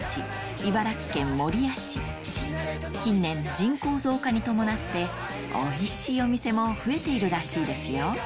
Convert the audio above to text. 茨城県守谷市近年人口増加に伴っておいしいお店も増えているらしいですよ